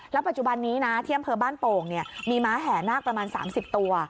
เราปัจจุบันนี้เที่ยมเพินบ้านโป่งมีม้าแห่นากประมาณ๓๐ตัว